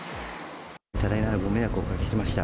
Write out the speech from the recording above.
多大なるご迷惑をおかけしました。